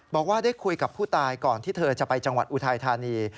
บอกว่าได้คุยกับผู้ตายก่อนที่เธอจะไปจังหวัดอุทัยธานี